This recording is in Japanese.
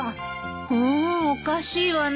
うーんおかしいわね。